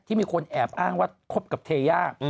มีคนแอบอ้างว่าคบกับเทย่า